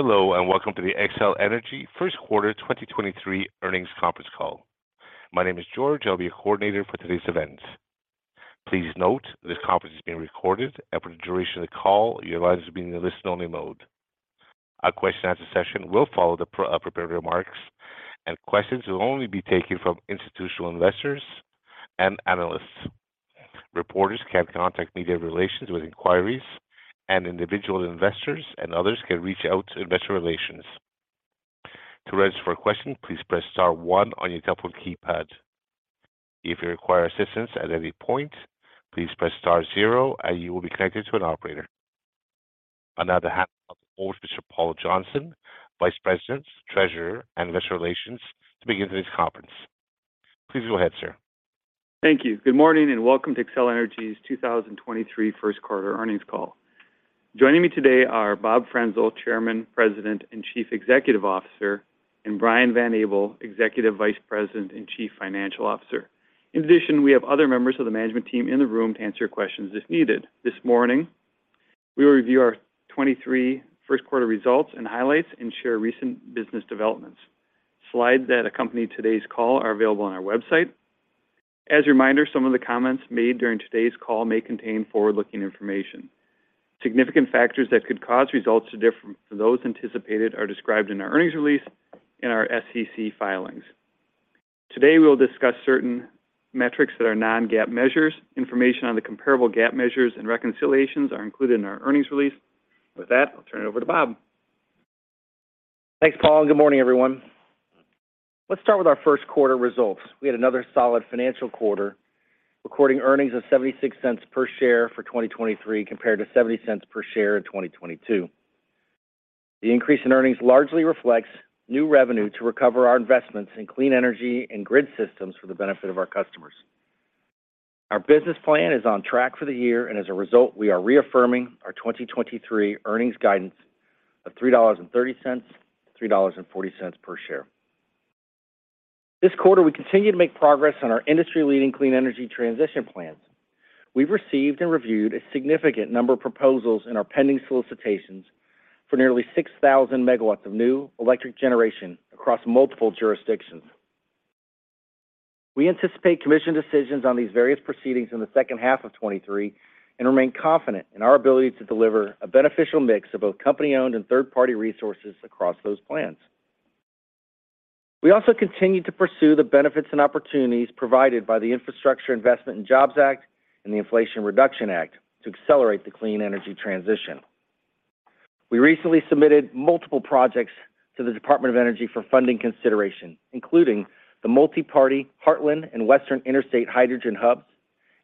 Hello and welcome to the Xcel Energy first quarter 2023 earnings conference call. My name is George. I'll be your coordinator for today's event. Please note this conference is being recorded, and for the duration of the call, your lines will be in a listen only mode. A question and answer session will follow the prepared remarks, and questions will only be taken from institutional investors and analysts. Reporters can contact media relations with inquiries, and individual investors and others can reach out to investor relations. To register for a question, please press star one on your telephone keypad. If you require assistance at any point, please press star zero and you will be connected to an operator. On behalf of Paul Johnson, Vice President, Treasurer, and Investor Relations to begin today's conference. Please go ahead, sir. Thank you. Good morning, welcome to Xcel Energy's 2023 first quarter earnings call. Joining me today are Bob Frenzel, Chairman, President, and Chief Executive Officer, and Brian Van Abel, Executive Vice President and Chief Financial Officer. In addition, we have other members of the management team in the room to answer questions if needed. This morning, we will review our 2023 first quarter results and highlights and share recent business developments. Slides that accompany today's call are available on our website. As a reminder, some of the comments made during today's call may contain forward-looking information. Significant factors that could cause results to differ from those anticipated are described in our earnings release in our SEC filings. Today, we will discuss certain metrics that are non-GAAP measures. Information on the comparable GAAP measures and reconciliations are included in our earnings release. With that, I'll turn it over to Bob. Thanks, Paul, good morning, everyone. Let's start with our first quarter results. We had another solid financial quarter, recording earnings of $0.76 per share for 2023 compared to $0.70 per share in 2022. The increase in earnings largely reflects new revenue to recover our investments in clean energy and grid systems for the benefit of our customers. Our business plan is on track for the year. As a result, we are reaffirming our 2023 earnings guidance of $3.30-$3.40 per share. This quarter, we continue to make progress on our industry-leading clean energy transition plans. We've received and reviewed a significant number of proposals in our pending solicitations for nearly 6,000 MW of new electric generation across multiple jurisdictions. We anticipate commission decisions on these various proceedings in the second half of 2023 and remain confident in our ability to deliver a beneficial mix of both company-owned and third-party resources across those plans. We also continue to pursue the benefits and opportunities provided by the Infrastructure Investment and Jobs Act and the Inflation Reduction Act to accelerate the clean energy transition. We recently submitted multiple projects to the Department of Energy for funding consideration, including the multi-party Heartland and Western Interstate Hydrogen Hubs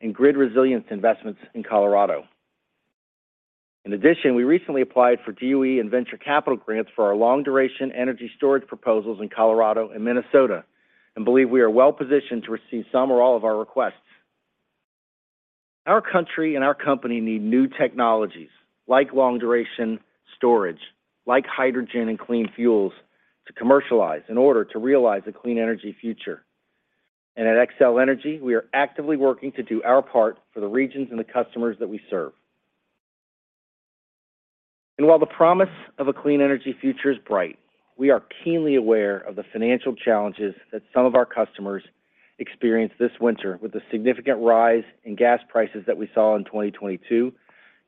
and grid resilience investments in Colorado. In addition, we recently applied for DOE and venture capital grants for our long-duration energy storage proposals in Colorado and Minnesota and believe we are well positioned to receive some or all of our requests. Our country and our company need new technologies like long-duration storage, like hydrogen and clean fuels to commercialize in order to realize a clean energy future. At Xcel Energy, we are actively working to do our part for the regions and the customers that we serve. While the promise of a clean energy future is bright, we are keenly aware of the financial challenges that some of our customers experienced this winter with the significant rise in gas prices that we saw in 2022,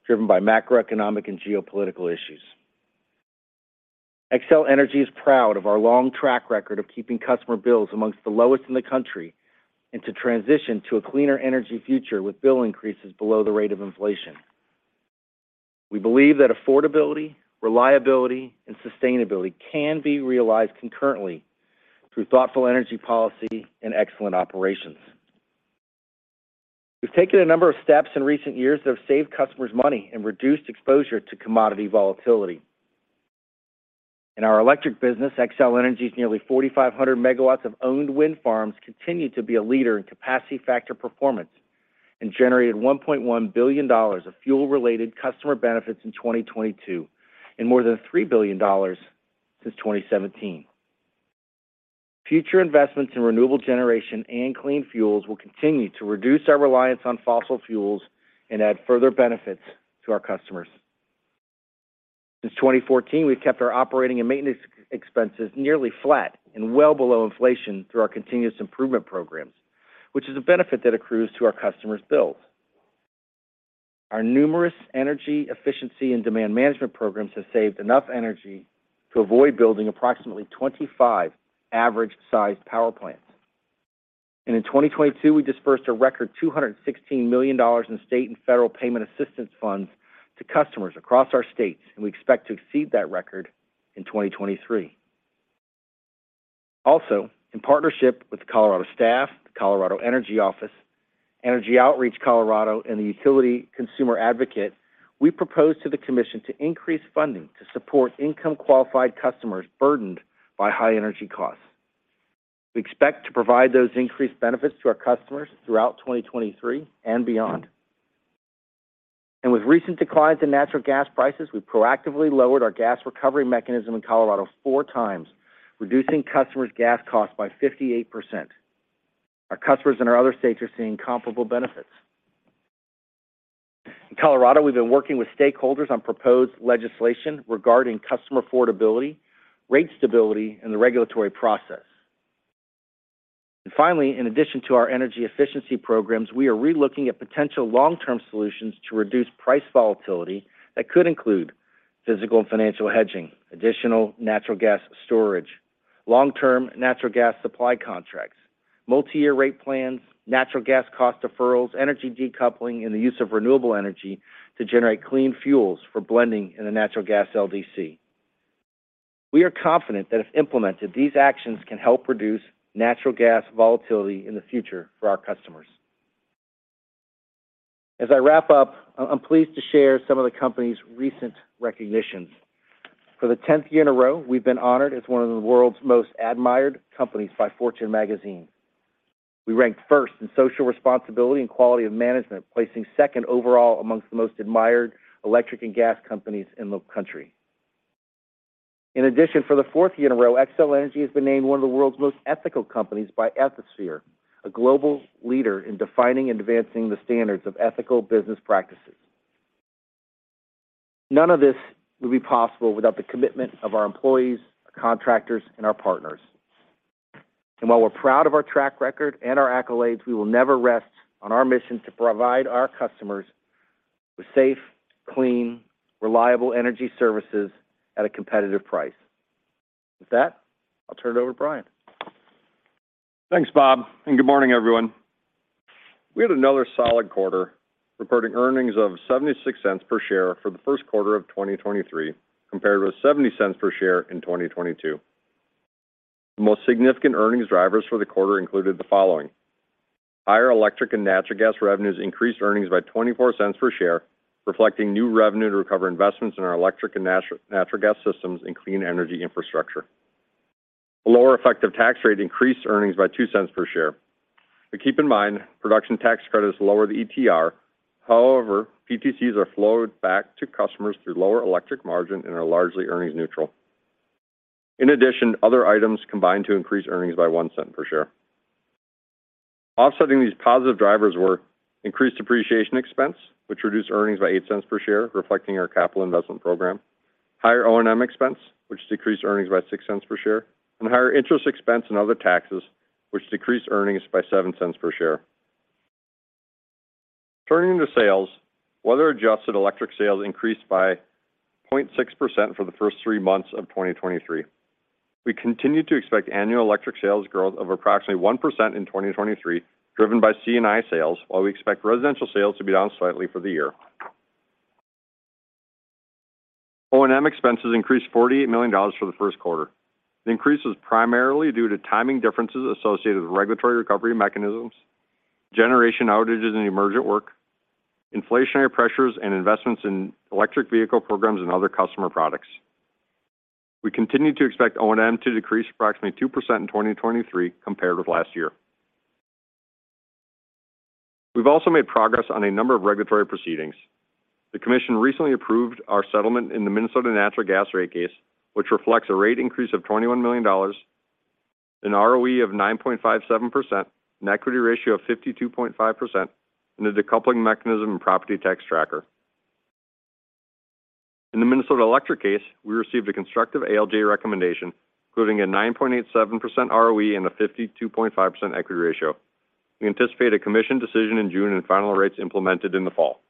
driven by macroeconomic and geopolitical issues. Xcel Energy is proud of our long track record of keeping customer bills amongst the lowest in the country and to transition to a cleaner energy future with bill increases below the rate of inflation. We believe that affordability, reliability and sustainability can be realized concurrently through thoughtful energy policy and excellent operations. We've taken a number of steps in recent years that have saved customers money and reduced exposure to commodity volatility. In our electric business, Xcel Energy's nearly 4,500 MW of owned wind farms continue to be a leader in capacity factor performance and generated $1.1 billion of fuel-related customer benefits in 2022 and more than $3 billion since 2017. Future investments in renewable generation and clean fuels will continue to reduce our reliance on fossil fuels and add further benefits to our customers. Since 2014, we've kept our O&M expenses nearly flat and well below inflation through our continuous improvement programs, which is a benefit that accrues to our customers' bills. Our numerous energy efficiency and demand management programs have saved enough energy to avoid building approximately 25 average-sized power plants. In 2022, we disbursed a record $216 million in state and federal payment assistance funds to customers across our states, and we expect to exceed that record in 2023. Also, in partnership with the Colorado staff, the Colorado Energy Office, Energy Outreach Colorado and the Utility Consumer Advocate, we propose to the commission to increase funding to support income-qualified customers burdened by high energy costs. We expect to provide those increased benefits to our customers throughout 2023 and beyond. With recent declines in natural gas prices, we proactively lowered our gas recovery mechanism in Colorado four times, reducing customers' gas costs by 58%. Our customers in our other states are seeing comparable benefits. In Colorado, we've been working with stakeholders on proposed legislation regarding customer affordability, rate stability, and the regulatory process. Finally, in addition to our energy efficiency programs, we are relooking at potential long-term solutions to reduce price volatility that could include physical and financial hedging, additional natural gas storage, long-term natural gas supply contracts, multi-year rate plans, natural gas cost deferrals, energy decoupling, and the use of renewable energy to generate clean fuels for blending in the natural gas LDC. We are confident that if implemented, these actions can help reduce natural gas volatility in the future for our customers. As I wrap up, I'm pleased to share some of the company's recent recognitions. For the tenth year in a row, we've been honored as one of the world's most admired companies by Fortune Magazine. We ranked first in social responsibility and quality of management, placing second overall amongst the most admired electric and gas companies in the country. In addition, for the fourth year in a row, Xcel Energy has been named one of the world's most ethical companies by Ethisphere, a global leader in defining and advancing the standards of ethical business practices. None of this would be possible without the commitment of our employees, contractors, and our partners. While we're proud of our track record and our accolades, we will never rest on our mission to provide our customers with safe, clean, reliable energy services at a competitive price. With that, I'll turn it over to Brian. Thanks, Bob. Good morning, everyone. We had another solid quarter, reporting earnings of $0.76 per share for the first quarter of 2023, compared with $0.70 per share in 2022. The most significant earnings drivers for the quarter included the following. Higher electric and natural gas revenues increased earnings by $0.24 per share, reflecting new revenue to recover investments in our electric and natural gas systems and clean energy infrastructure. A lower effective tax rate increased earnings by $0.02 per share. Keep in mind, Production Tax Credits lower the ETR. However, PTCs are flowed back to customers through lower electric margin and are largely earnings neutral. In addition, other items combined to increase earnings by $0.01 per share. Offsetting these positive drivers were increased depreciation expense, which reduced earnings by $0.08 per share, reflecting our capital investment program. Higher O&M expense, which decreased earnings by $0.06 per share. Higher interest expense and other taxes, which decreased earnings by $0.07 per share. Turning to sales, weather-adjusted electric sales increased by 0.6% for the first three months of 2023. We continue to expect annual electric sales growth of approximately 1% in 2023, driven by C&I sales, while we expect residential sales to be down slightly for the year. O&M expenses increased $48 million for the first quarter. The increase was primarily due to timing differences associated with regulatory recovery mechanisms, generation outages and emergent work, inflationary pressures and investments in electric vehicle programs and other customer products. We continue to expect O&M to decrease approximately 2% in 2023 compared with last year. We've also made progress on a number of regulatory proceedings. The commission recently approved our settlement in the Minnesota Natural Gas Rate Case, which reflects a rate increase of $21 million, an ROE of 9.57%, an equity ratio of 52.5%, and a decoupling mechanism and property tax tracker. In the Minnesota Electric Case, we received a constructive ALJ recommendation, including a 9.87% ROE and a 52.5% equity ratio. We anticipate a commission decision in June and final rates implemented in the fall.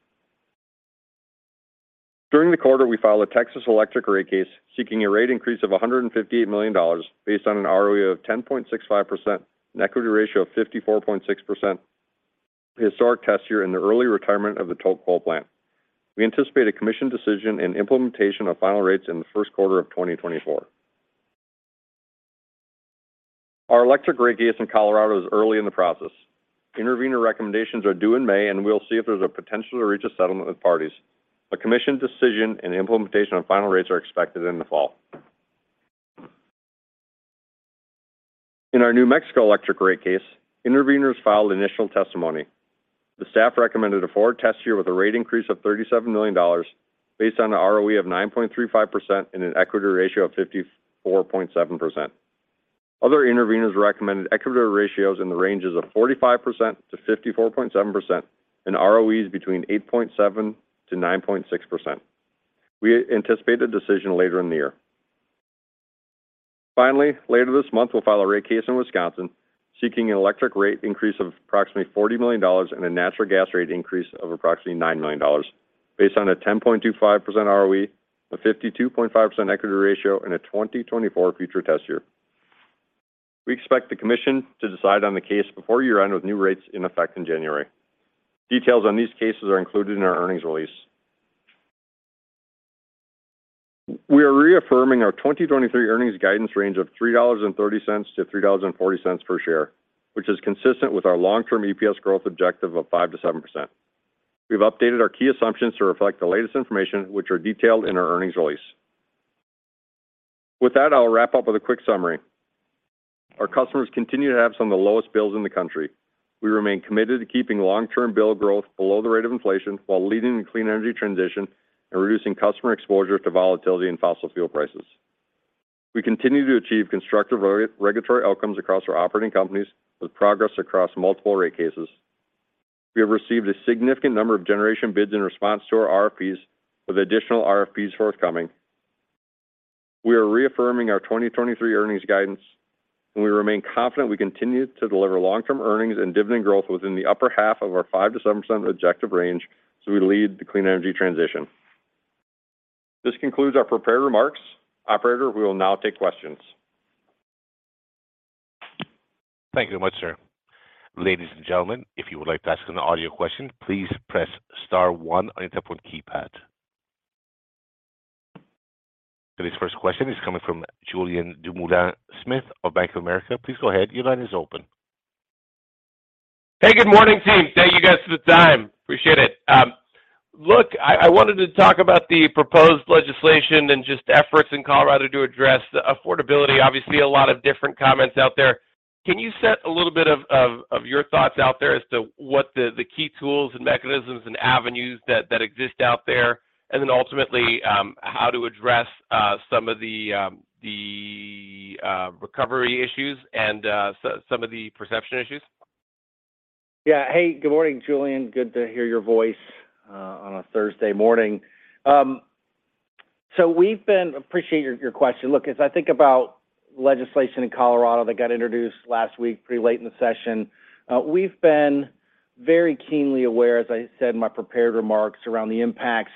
During the quarter, we filed a Texas electric rate case seeking a rate increase of $158 million based on an ROE of 10.65%, an equity ratio of 54.6%, the historic test year and the early retirement of the Tolk coal plant. We anticipate a Commission decision and implementation of final rates in the first quarter of 2024. Our electric rate case in Colorado is early in the process. Intervenor recommendations are due in May, and we'll see if there's a potential to reach a settlement with parties. A Commission decision and implementation of final rates are expected in the fall. In our New Mexico electric rate case, intervenors filed initial testimony. The staff recommended a forward test year with a rate increase of $37 million based on an ROE of 9.35% and an equity ratio of 54.7%. Other intervenors recommended equity ratios in the ranges of 45%-54.7% and ROEs between 8.7%-9.6%. We anticipate a decision later in the year. Later this month, we'll file a rate case in Wisconsin seeking an electric rate increase of approximately $40 million and a natural gas rate increase of approximately $9 million based on a 10.25% ROE, a 52.5% equity ratio, and a 2024 future test year. We expect the commission to decide on the case before year-end with new rates in effect in January. Details on these cases are included in our earnings release. We are reaffirming our 2023 earnings guidance range of $3.30-$3.40 per share, which is consistent with our long-term EPS growth objective of 5%-7%. We've updated our key assumptions to reflect the latest information, which are detailed in our earnings release. With that, I'll wrap up with a quick summary. Our customers continue to have some of the lowest bills in the country. We remain committed to keeping long-term bill growth below the rate of inflation while leading the clean energy transition and reducing customer exposure to volatility in fossil fuel prices. We continue to achieve constructive re-regulatory outcomes across our operating companies with progress across multiple rate cases. We have received a significant number of generation bids in response to our RFPs, with additional RFPs forthcoming. We are reaffirming our 2023 earnings guidance. We remain confident we continue to deliver long-term earnings and dividend growth within the upper half of our 5%-7% objective range as we lead the clean energy transition. This concludes our prepared remarks. Operator, we will now take questions. Thank you very much, sir. Ladies and gentlemen, if you would like to ask an audio question, please press star one on your telephone keypad. Today's first question is coming from Julien Dumoulin-Smith of Bank of America. Please go ahead. Your line is open. Hey, good morning, team. Thank you guys for the time. Appreciate it. Look, I wanted to talk about the proposed legislation and just efforts in Colorado to address the affordability. Obviously, a lot of different comments out there. Can you set a little bit of your thoughts out there as to what the key tools and mechanisms and avenues that exist out there? Then ultimately, how to address some of the recovery issues and so some of the perception issues? Yeah. Hey, good morning, Julien. Good to hear your voice on a Thursday morning. Appreciate your question. Look, as I think about legislation in Colorado that got introduced last week, pretty late in the session, we've been very keenly aware, as I said in my prepared remarks, around the impacts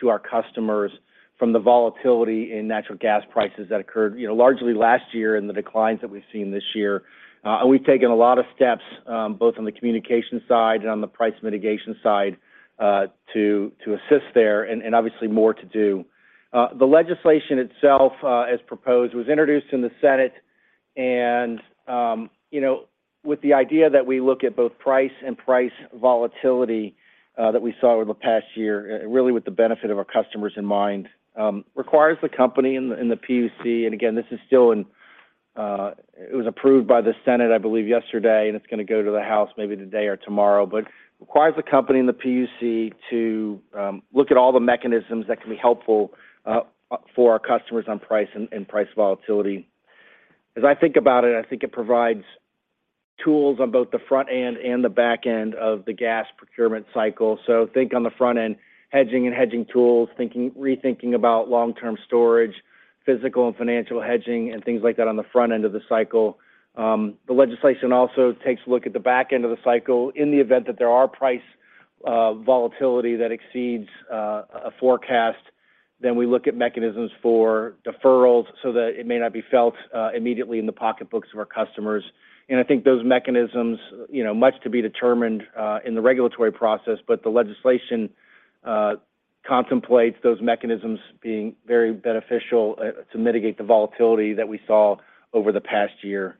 to our customers from the volatility in natural gas prices that occurred, you know, largely last year and the declines that we've seen this year. We've taken a lot of steps, both on the communication side and on the price mitigation side, to assist there and obviously more to do. The legislation itself, as proposed, was introduced in the Senate, you know, with the idea that we look at both price and price volatility that we saw over the past year, really with the benefit of our customers in mind. Requires the company and the PUC, and again, this is still in. It was approved by the Senate, I believe, yesterday, and it's gonna go to the House maybe today or tomorrow. Requires the company and the PUC to look at all the mechanisms that can be helpful for our customers on price and price volatility. As I think about it, I think it provides tools on both the front end and the back end of the gas procurement cycle. Think on the front end, hedging and hedging tools, rethinking about long-term storage, physical and financial hedging, and things like that on the front end of the cycle. The legislation also takes a look at the back end of the cycle. In the event that there are price volatility that exceeds a forecast, then we look at mechanisms for deferrals so that it may not be felt immediately in the pocketbooks of our customers. I think those mechanisms, you know, much to be determined in the regulatory process, but the legislation contemplates those mechanisms being very beneficial to mitigate the volatility that we saw over the past year.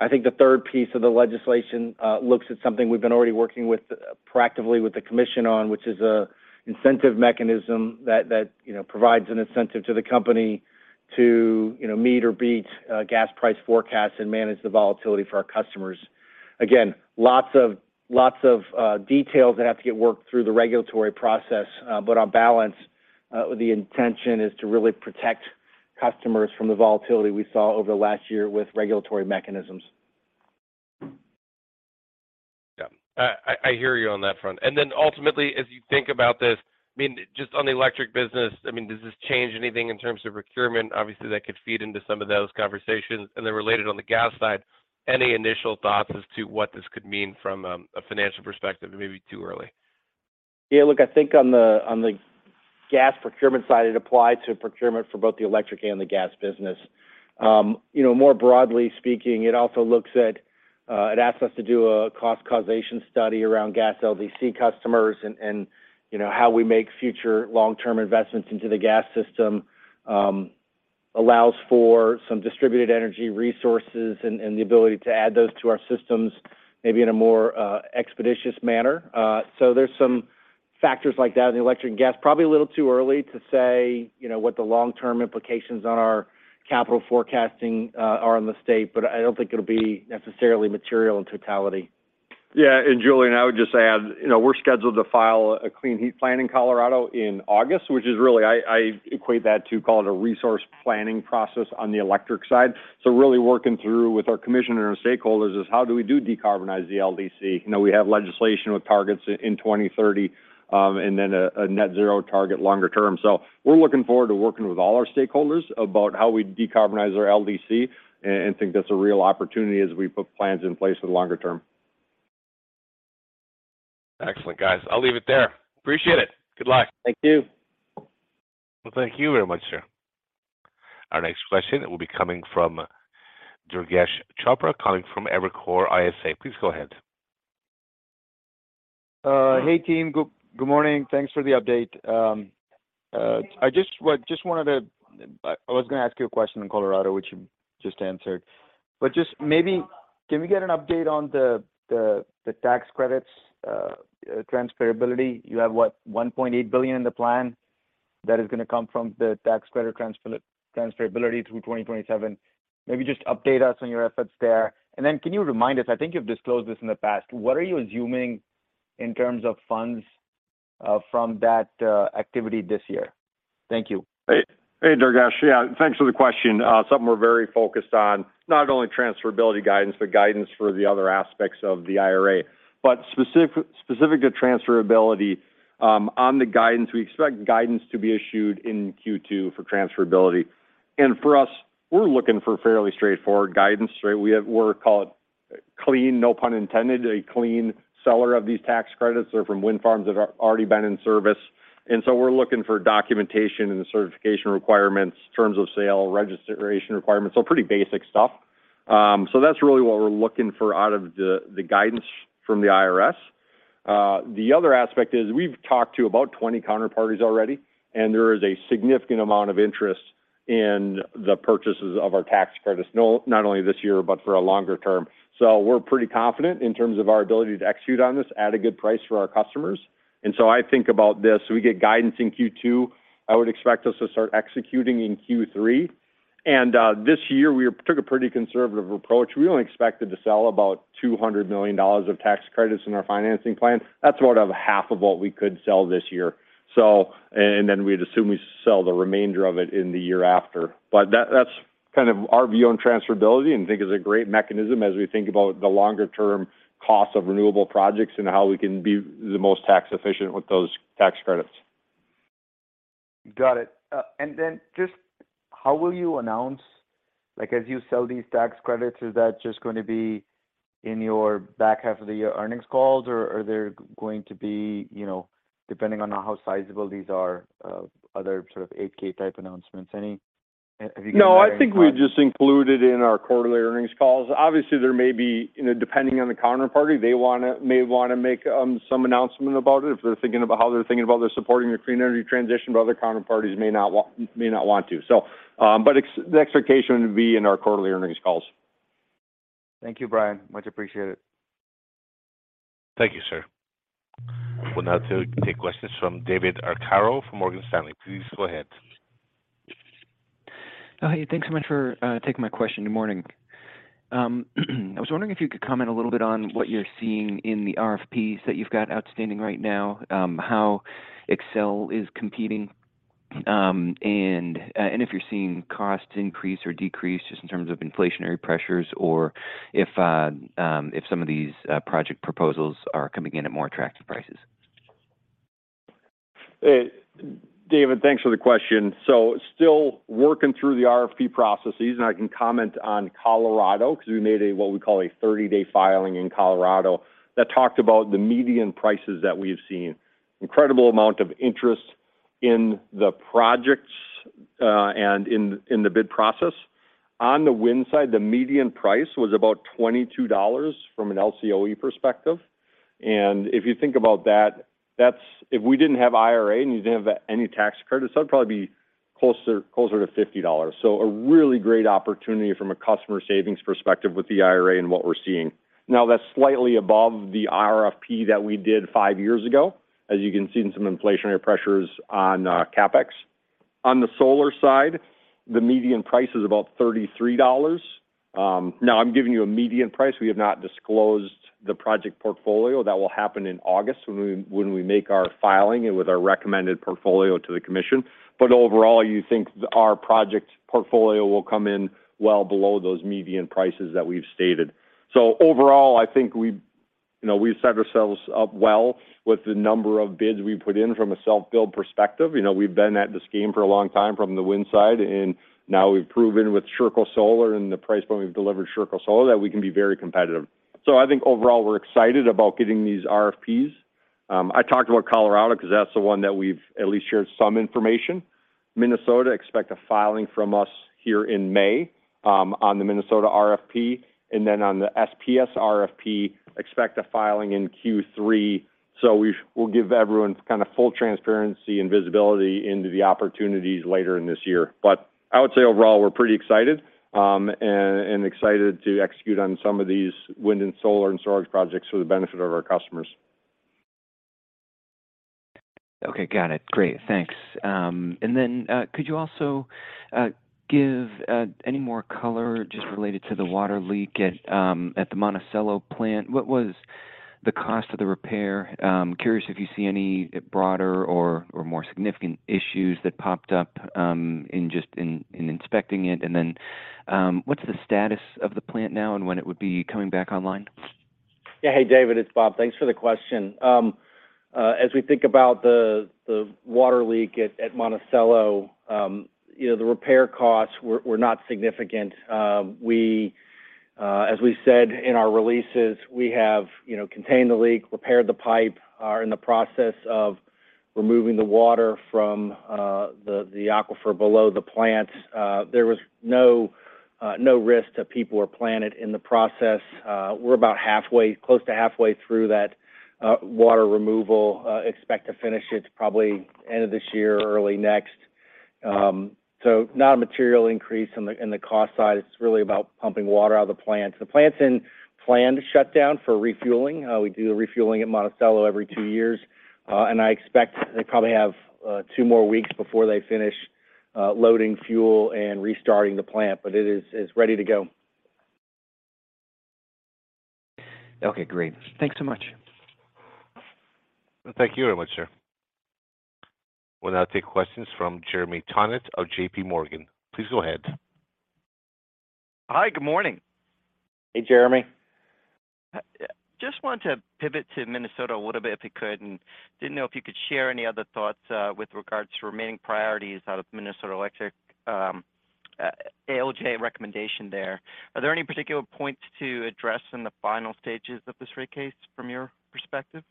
I think the third piece of the legislation, looks at something we've been already working with, proactively with the Commission on, which is a incentive mechanism that, you know, provides an incentive to the company to, you know, meet or beat, gas price forecasts and manage the volatility for our customers. Lots of details that have to get worked through the regulatory process. On balance, the intention is to really protect customers from the volatility we saw over the last year with regulatory mechanisms. Yeah. I hear you on that front. Ultimately, as you think about this, I mean, just on the electric business, I mean, does this change anything in terms of procurement? Obviously, that could feed into some of those conversations. Related on the gas side, any initial thoughts as to what this could mean from a financial perspective? It may be too early. Yeah, look, I think on the gas procurement side, it applied to procurement for both the electric and the gas business. You know, more broadly speaking, it also looks at, it asks us to do a cost causation study around gas LDC customers and, you know, how we make future long-term investments into the gas system. Allows for some distributed energy resources and the ability to add those to our systems maybe in a more expeditious manner. There's some factors like that in the electric and gas. Probably a little too early to say, you know, what the long-term implications on our capital forecasting are on the state, but I don't think it'll be necessarily material in totality. Yeah. Julien, I would just add, you know, we're scheduled to file a Clean Heat Plan in Colorado in August, which is really, I equate that to call it a resource planning process on the electric side. Really working through with our commission and our stakeholders is how do we decarbonize the LDC? You know, we have legislation with targets in 2030, and then a net zero target longer term. We're looking forward to working with all our stakeholders about how we decarbonize our LDC and think that's a real opportunity as we put plans in place for the longer term. Excellent, guys. I'll leave it there. Appreciate it. Good luck. Thank you. Well, thank you very much, sir. Our next question will be coming from Durgesh Chopra, coming from Evercore ISI. Please go ahead. Hey, team. Good morning. Thanks for the update. I just wanted to ask you a question on Colorado, which you just answered. Just maybe can we get an update on the tax credits transferability? You have, what, $1.8 billion in the plan that is gonna come from the tax credit transferability through 2027. Maybe just update us on your efforts there. Can you remind us, I think you've disclosed this in the past, what are you assuming in terms of funds from that activity this year? Thank you. Hey, hey, Durgesh. Yeah, thanks for the question. Something we're very focused on, not only transferability guidance, but guidance for the other aspects of the IRA. Specific to transferability, on the guidance, we expect guidance to be issued in Q2 for transferability. For us, we're looking for fairly straightforward guidance, right? We're called clean, no pun intended, a clean seller of these tax credits. They're from wind farms that have already been in service. We're looking for documentation and certification requirements, terms of sale, registration requirements. Pretty basic stuff. That's really what we're looking for out of the guidance from the IRS. The other aspect is we've talked to about 20 counterparties already, and there is a significant amount of interest in the purchases of our tax credits, not only this year, but for a longer term. We're pretty confident in terms of our ability to execute on this at a good price for our customers. I think about this, we get guidance in Q2. I would expect us to start executing in Q3. This year, we took a pretty conservative approach. We only expected to sell about $200 million of tax credits in our financing plan. That's about half of what we could sell this year. We'd assume we sell the remainder of it in the year after. That's kind of our view on transferability and think it's a great mechanism as we think about the longer-term cost of renewable projects and how we can be the most tax efficient with those tax credits. Got it. Just how will you announce, like, as you sell these tax credits, is that just going to be in your back half of the year earnings calls, or are there going to be, you know, depending on how sizable these are, other sort of 8-K type announcements? Have you given that any thought? No, I think we just include it in our quarterly earnings calls. Obviously, there may be, you know, depending on the counterparty, they may wanna make some announcement about it if they're thinking about how they're thinking about their supporting the clean energy transition. Other counterparties may not want to. The expectation would be in our quarterly earnings calls. Thank you, Brian. Much appreciated. Thank you, sir. We'll now take questions from David Arcaro from Morgan Stanley. Please go ahead. Oh, hey, thanks so much for taking my question. Good morning. I was wondering if you could comment a little bit on what you're seeing in the RFPs that you've got outstanding right now, how Xcel is competing, and if you're seeing costs increase or decrease just in terms of inflationary pressures or if some of these project proposals are coming in at more attractive prices. Hey, David, thanks for the question. Still working through the RFP processes, and I can comment on Colorado because we made a what we call a 30-day filing in Colorado that talked about the median prices that we've seen. Incredible amount of interest in the projects, and in the bid process. On the wind side, the median price was about $22 from an LCOE perspective. If you think about that, if we didn't have IRA and you didn't have any tax credits, that'd probably be closer to $50. A really great opportunity from a customer savings perspective with the IRA and what we're seeing. That's slightly above the RFP that we did 5 years ago. As you can see, some inflationary pressures on CapEx. On the solar side, the median price is about $33. Now I'm giving you a median price. We have not disclosed the project portfolio. That will happen in August when we make our filing and with our recommended portfolio to the commission. Overall, you think our project portfolio will come in well below those median prices that we've stated. Overall, I think we've, you know, we've set ourselves up well with the number of bids we put in from a self-build perspective. You know, we've been at this game for a long time from the wind side, and now we've proven with Sherco Solar and the price point we've delivered Sherco Solar that we can be very competitive. I think overall, we're excited about getting these RFPs. I talked about Colorado because that's the one that we've at least shared some information. Minnesota expect a filing from us here in May, on the Minnesota RFP. On the SPS RFP, expect a filing in Q3. We'll give everyone kind of full transparency and visibility into the opportunities later in this year. I would say overall, we're pretty excited, and excited to execute on some of these wind and solar and storage projects for the benefit of our customers. Okay, got it. Great. Thanks. Could you also give any more color just related to the water leak at the Monticello plant? What was the cost of the repair? Curious if you see any broader or more significant issues that popped up in just inspecting it. What's the status of the plant now and when it would be coming back online? Yeah. Hey, David, it's Bob. Thanks for the question. As we think about the water leak at Monticello, you know, the repair costs were not significant. We, as we said in our releases, we have, you know, contained the leak, repaired the pipe, are in the process of removing the water from the aquifer below the plant. There was no risk to people or planet in the process. We're about halfway, close to halfway through that water removal. Expect to finish it probably end of this year, early next. Not a material increase in the cost side. It's really about pumping water out of the plant. The plant's in planned shutdown for refueling. We do a refueling at Monticello every 2 years. I expect they probably have 2 more weeks before they finish loading fuel and restarting the plant. It is ready to go. Okay, great. Thanks so much. Thank you very much, sir. We'll now take questions from Jeremy Tonet of JPMorgan. Please go ahead. Hi. Good morning. Hey, Jeremy. Just wanted to pivot to Minnesota a little bit if you could. Didn't know if you could share any other thoughts with regards to remaining priorities out of Minnesota Electric ALJ recommendation there. Are there any particular points to address in the final stages of this rate case from your perspective?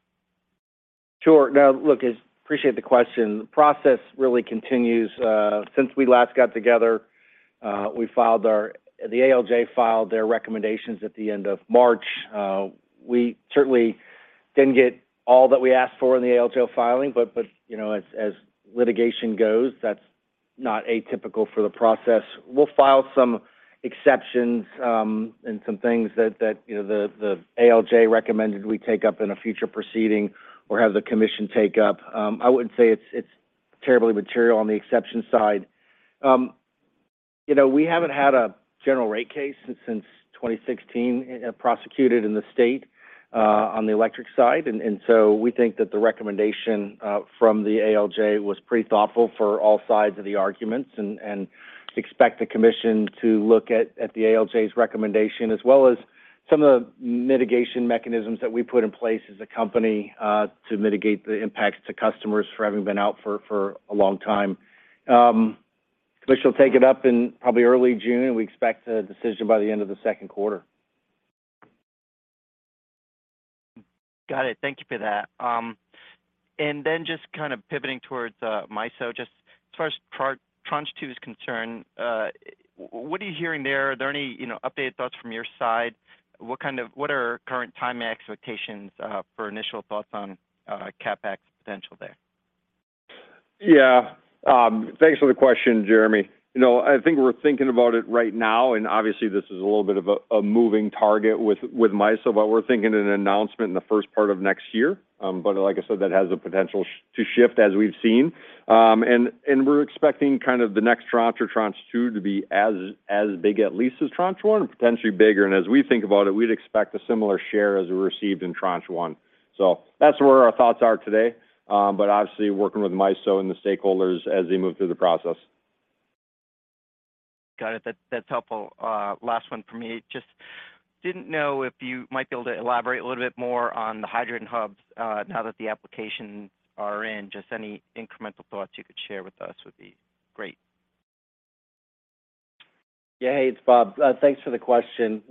Sure. No, look, appreciate the question. The process really continues. Since we last got together, we filed our the ALJ filed their recommendations at the end of March. We certainly didn't get all that we asked for in the ALJ filing, but, you know, as litigation goes, that's not atypical for the process. We'll file some exceptions, and some things that, you know, the ALJ recommended we take up in a future proceeding or have the commission take up. I wouldn't say it's terribly material on the exception side. You know, we haven't had a general rate case since 2016 prosecuted in the state on the electric side. We think that the recommendation from the ALJ was pretty thoughtful for all sides of the arguments and expect the commission to look at the ALJ's recommendation, as well as some of the mitigation mechanisms that we put in place as a company to mitigate the impacts to customers for having been out for a long time. Commission will take it up in probably early June, and we expect a decision by the end of the second quarter. Got it. Thank you for that. Then just kind of pivoting towards MISO, just as far as Tranche 2 is concerned, what are you hearing there? Are there any, you know, updated thoughts from your side? What are current time expectations for initial thoughts on CapEx potential there? Yeah. Thanks for the question, Jeremy. You know, I think we're thinking about it right now, and obviously this is a little bit of a moving target with MISO, but we're thinking an announcement in the first part of next year. Like I said, that has the potential to shift as we've seen. We're expecting kind of the next tranche or Tranche 2 to be as big at least as Tranche 1, potentially bigger. As we think about it, we'd expect a similar share as we received in Tranche 1. That's where our thoughts are today, but obviously working with MISO and the stakeholders as they move through the process. Got it. That's helpful. Last one for me. Just didn't know if you might be able to elaborate a little bit more on the Hydrogen Hubs now that the applications are in. Just any incremental thoughts you could share with us would be great. Yeah. Hey, it's Bob. Thanks for the question.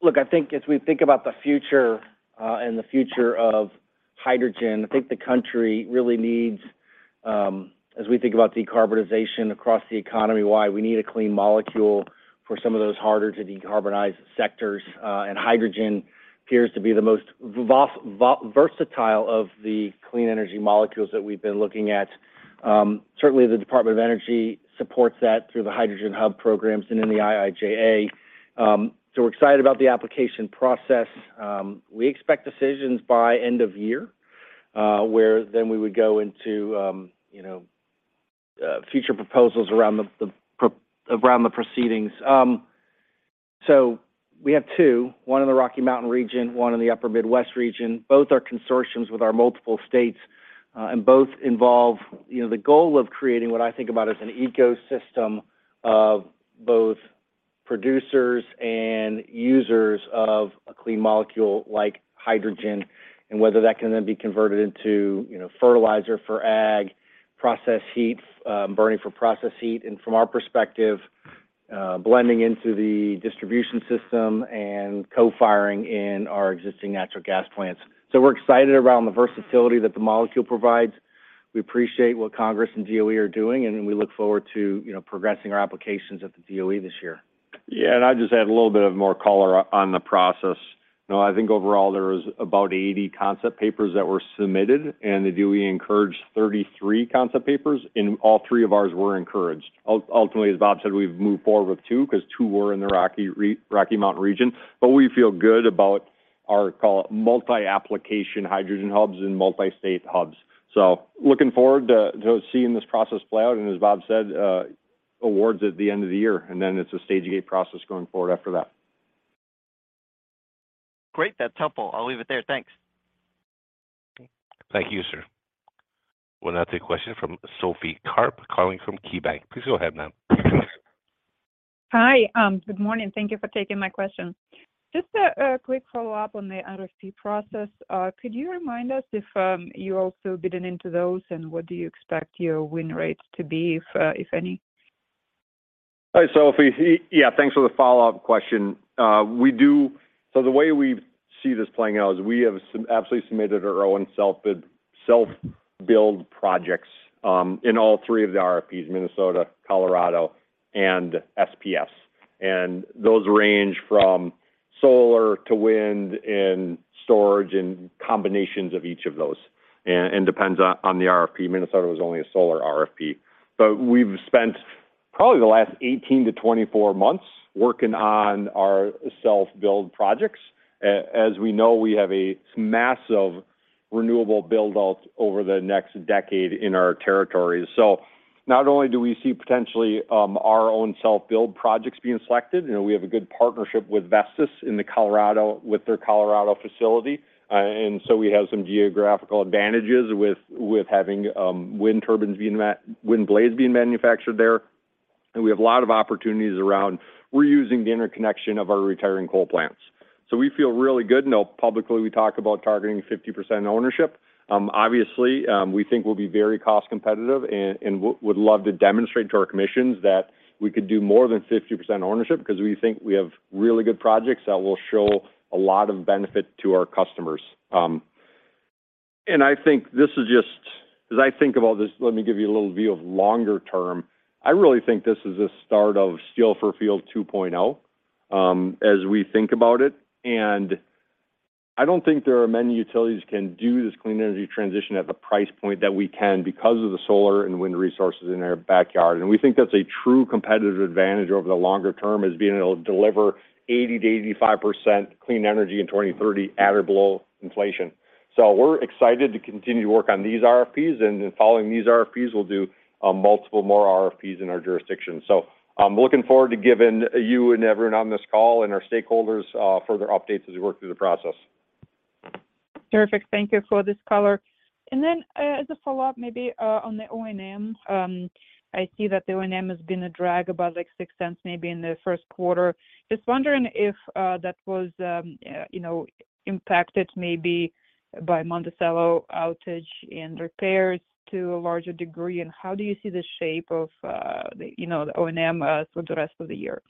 Look, I think as we think about the future, and the future of hydrogen, I think the country really needs, as we think about decarbonization across the economy, why we need a clean molecule for some of those harder to decarbonize sectors, and hydrogen appears to be the most versatile of the clean energy molecules that we've been looking at. Certainly the Department of Energy supports that through the Hydrogen Hub programs and in the IIJA. We're excited about the application process. We expect decisions by end of year, where then we would go into, you know, future proposals around the proceedings. We have two: one in the Rocky Mountain region, one in the Upper Midwest region. Both are consortiums with our multiple states, both involve, you know, the goal of creating what I think about as an ecosystem of both producers and users of a clean molecule like hydrogen, and whether that can then be converted into, you know, fertilizer for ag, process heat, burning for process heat, and from our perspective, blending into the distribution system and co-firing in our existing natural gas plants. We're excited around the versatility that the molecule provides. We appreciate what Congress and DOE are doing, we look forward to, you know, progressing our applications at the DOE this year. Yeah. I'd just add a little bit of more color on the process. You know, I think overall there was about 80 concept papers that were submitted. The DOE encouraged 33 concept papers. All three of ours were encouraged. Ultimately, as Bob said, we've moved forward with two because two were in the Rocky Mountain region. We feel good about our, call it, multi-application hydrogen hubs and multi-state hubs. Looking forward to seeing this process play out and, as Bob said, awards at the end of the year. Then it's a stage 8 process going forward after that. Great. That's helpful. I'll leave it there. Thanks. Okay. Thank you, sir. We'll now take a question from Sophie Karp calling from KeyBank. Please go ahead, ma'am. Hi. Good morning. Thank you for taking my question. Just a quick follow-up on the RFP process. Could you remind us if you also bidden into those, and what do you expect your win rates to be if any? Hi, Sophie. Yeah, thanks for the follow-up question. We have absolutely submitted our own self-bid, self-build projects in all three of the RFPs, Minnesota, Colorado, and SPS. Those range from solar to wind and storage and combinations of each of those, and depends on the RFP. Minnesota was only a solar RFP. We've spent probably the last 18-24 months working on our self-build projects. As we know, we have a massive renewable build-outs over the next decade in our territories. Not only do we see potentially our own self-build projects being selected, you know, we have a good partnership with Vestas in the Colorado with their Colorado facility. We have some geographical advantages with having wind blades being manufactured there. We have a lot of opportunities around reusing the interconnection of our retiring coal plants. We feel really good. You know, publicly, we talk about targeting 50% ownership. Obviously, we think we'll be very cost competitive and would love to demonstrate to our commissions that we could do more than 50% ownership because we think we have really good projects that will show a lot of benefit to our customers. I think this is just. As I think about this, let me give you a little view of longer term. I really think this is a start of Steel for Fuel 2.0, as we think about it. I don't think there are many utilities can do this clean energy transition at the price point that we can because of the solar and wind resources in our backyard. We think that's a true competitive advantage over the longer term, is being able to deliver 80%-85% clean energy in 2030 at or below inflation. We're excited to continue to work on these RFPs, and then following these RFPs, we'll do multiple more RFPs in our jurisdiction. I'm looking forward to giving you and everyone on this call and our stakeholders, further updates as we work through the process. Terrific. Thank you for this color. Then, as a follow-up maybe, on the O&M, I see that the O&M has been a drag about like $0.06 maybe in the first quarter. Just wondering if that was, you know, impacted maybe by Monticello outage and repairs to a larger degree, and how do you see the shape of the, you know, the O&M through the rest of the year?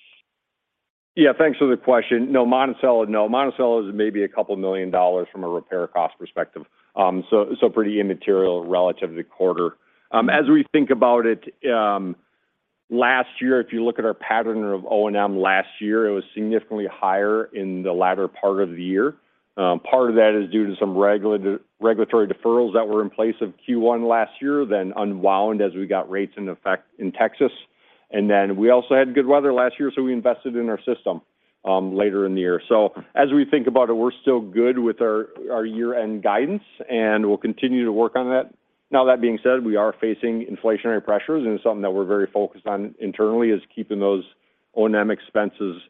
Yeah. Thanks for the question. No, Monticello, no. Monticello is maybe $2 million from a repair cost perspective, so pretty immaterial relative to the quarter. As we think about it, last year, if you look at our pattern of O&M last year, it was significantly higher in the latter part of the year. Part of that is due to some regulatory deferrals that were in place of Q1 last year, unwound as we got rates in effect in Texas. We also had good weather last year, so we invested in our system later in the year. As we think about it, we're still good with our year-end guidance, and we'll continue to work on that. That being said, we are facing inflationary pressures, and something that we're very focused on internally is keeping those O&M expenses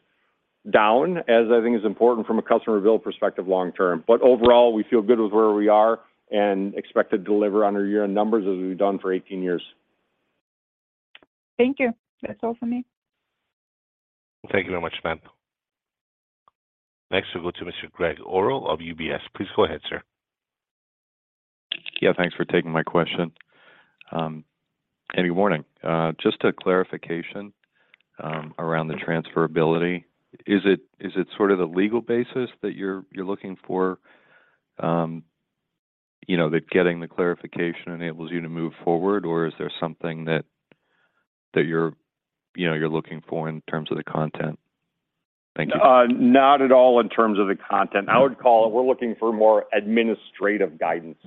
down, as I think is important from a customer bill perspective long term. Overall, we feel good with where we are and expect to deliver on our year-end numbers as we've done for 18 years. Thank you. That's all for me. Thank you very much, ma'am. Next we'll go to Mr. Gregg Orrill of UBS. Please go ahead, sir. Yeah, thanks for taking my question. Good morning. Just a clarification around the transferability. Is it sort of the legal basis that you're looking for, you know, that getting the clarification enables you to move forward, or is there something that you're, you know, you're looking for in terms of the content? Thank you. Not at all in terms of the content. I would call it we're looking for more administrative guidance.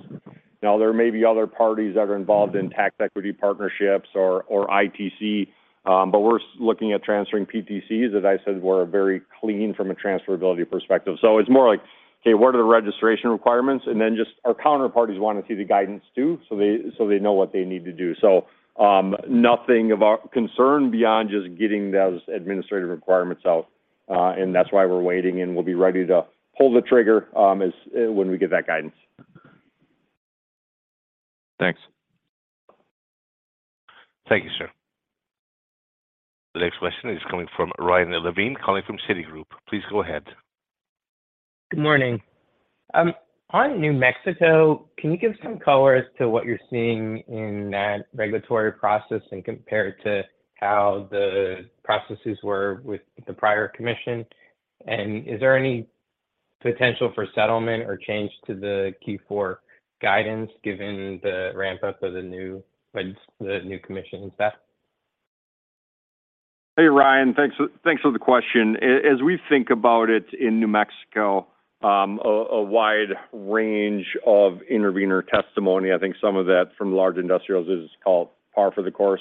Now, there may be other parties that are involved in tax equity partnerships or ITC, but we're looking at transferring PTCs that I said were very clean from a transferability perspective. It's more like, okay, what are the registration requirements? Then just our counterparties wanna see the guidance too, so they know what they need to do. Nothing of concern beyond just getting those administrative requirements out, and that's why we're waiting, and we'll be ready to pull the trigger as when we get that guidance. Thanks. Thank you, sir. The next question is coming from Ryan Levine calling from Citigroup. Please go ahead. Good morning. On New Mexico, can you give some color as to what you're seeing in that regulatory process and compare it to how the processes were with the prior commission? Is there any potential for settlement or change to the Q4 guidance given the ramp-up of the new, the new commission and staff? Hey, Ryan. Thanks for the question. As we think about it in New Mexico, a wide range of intervener testimony, I think some of that from large industrials is called par for the course.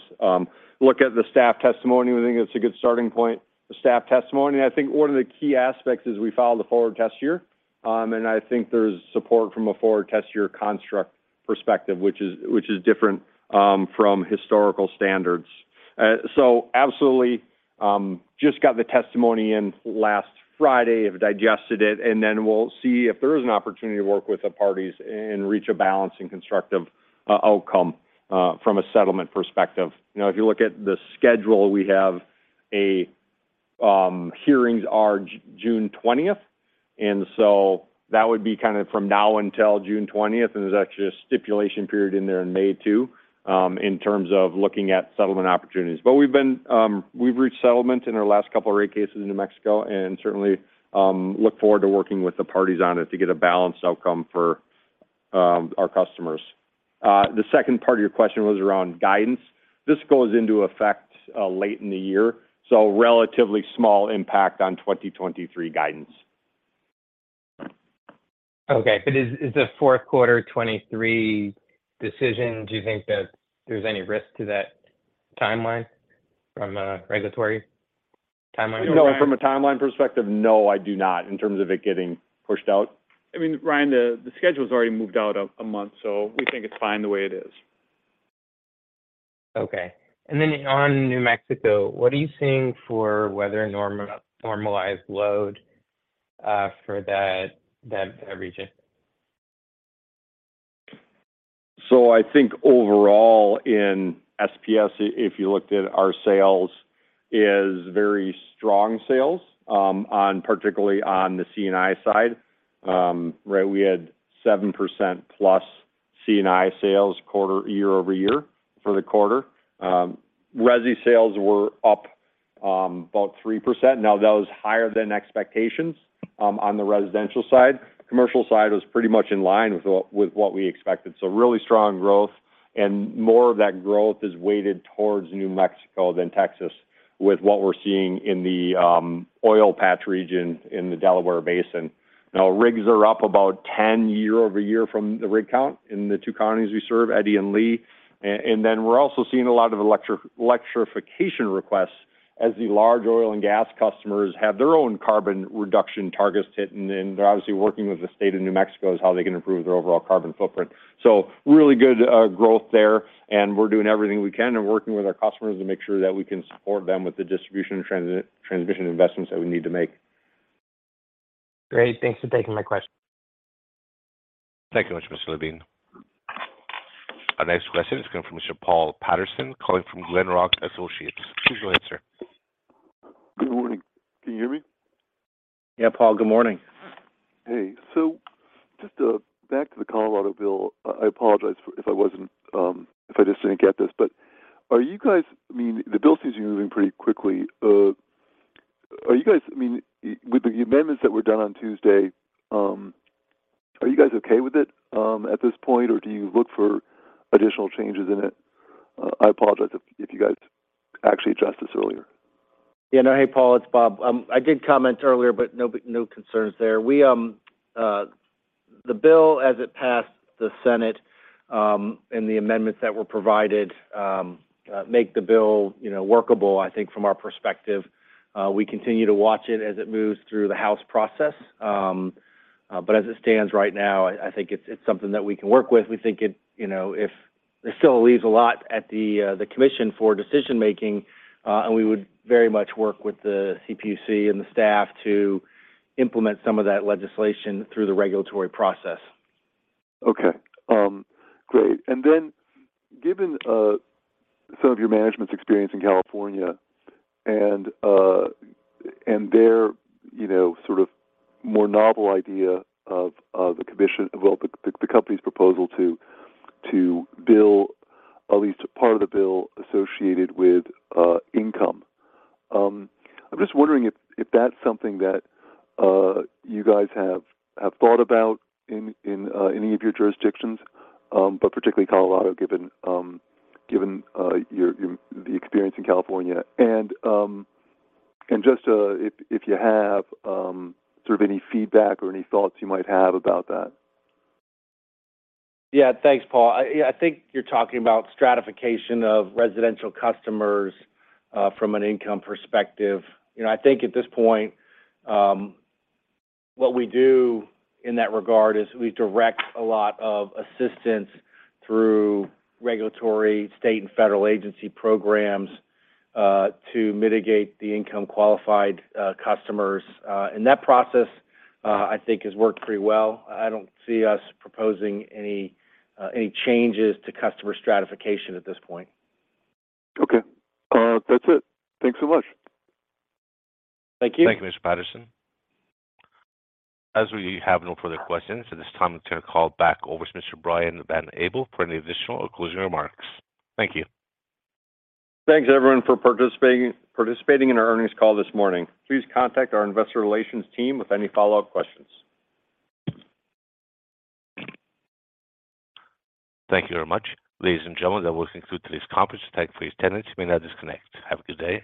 Look at the staff testimony, we think it's a good starting point. The staff testimony, I think one of the key aspects is we follow the forward test year, and I think there's support from a forward test year construct perspective, which is different, from historical standards. So absolutely, just got the testimony in last Friday, have digested it, and then we'll see if there is an opportunity to work with the parties and reach a balance and constructive outcome, from a settlement perspective. You know, if you look at the schedule, we have a hearings are June twentieth, that would be kinda from now until June twentieth, there's actually a stipulation period in there in May too, in terms of looking at settlement opportunities. We've been, we've reached settlement in our last couple rate cases in New Mexico and certainly, look forward to working with the parties on it to get a balanced outcome for our customers. The second part of your question was around guidance. This goes into effect late in the year, relatively small impact on 2023 guidance. Okay. Is the fourth quarter 2023 decision, do you think that there's any risk to that timeline from regulatory? No, from a timeline perspective, no, I do not in terms of it getting pushed out. I mean, Ryan, the schedule's already moved out a month, so we think it's fine the way it is. Okay. On New Mexico, what are you seeing for weather norm-normalized load, for that region? I think overall in SPS, if you looked at our sales, is very strong sales, particularly on the C&I side. Right, we had 7%+ C&I sales quarter year-over-year for the quarter. Resi sales were up about 3%. That was higher than expectations on the residential side. Commercial side was pretty much in line with what we expected. Really strong growth. More of that growth is weighted towards New Mexico than Texas with what we're seeing in the oil patch region in the Delaware Basin. Rigs are up about 10 year-over-year from the rig count in the two counties we serve, Eddy and Lea. Then we're also seeing a lot of electrification requests as the large oil and gas customers have their own carbon reduction targets to hit, and then they're obviously working with the state of New Mexico as how they can improve their overall carbon footprint. Really good growth there, and we're doing everything we can and working with our customers to make sure that we can support them with the distribution and transmission investments that we need to make. Great. Thanks for taking my question. Thank you much, Mr. Levine. Our next question is coming from Mr. Paul Patterson calling from Glenrock Associates. Please go ahead, sir. Good morning. Can you hear me? Yeah, Paul. Good morning. Hey. Just back to the Colorado bill. I apologize for if I just didn't get this. I mean, the bill seems to be moving pretty quickly. I mean, with the amendments that were done on Tuesday, are you guys okay with it, at this point, or do you look for additional changes in it? I apologize if you guys actually addressed this earlier. Yeah, no. Hey, Paul, it's Bob. I did comment earlier, but no concerns there. We, the bill as it passed the Senate, and the amendments that were provided, make the bill, you know, workable, I think from our perspective. We continue to watch it as it moves through the House process. As it stands right now, I think it's something that we can work with. We think it, you know, if it still leaves a lot at the commission for decision-making, and we would very much work with the CPUC and the staff to implement some of that legislation through the regulatory process. Okay. great. Given some of your management's experience in California and their, you know, sort of more novel idea of Well, the company's proposal to bill at least a part of the bill associated with income. I'm just wondering if that's something that you guys have thought about in any of your jurisdictions, but particularly Colorado, given your the experience in California. Just if you have sort of any feedback or any thoughts you might have about that? Yeah. Thanks, Paul. I think you're talking about stratification of residential customers from an income perspective. You know, I think at this point, what we do in that regard is we direct a lot of assistance through regulatory state and federal agency programs to mitigate the income-qualified customers. That process, I think has worked pretty well. I don't see us proposing any changes to customer stratification at this point. Okay. That's it. Thanks so much. Thank you. Thank you, Mr. Patterson. As we have no further questions, at this time I'm gonna call back over to Mr. Brian Van Abel for any additional or closing remarks. Thank you. Thanks everyone for participating in our earnings call this morning. Please contact our investor relations team with any follow-up questions. Thank you very much. Ladies and gentlemen, that will conclude today's conference. Thank you for your attendance. You may now disconnect. Have a good day.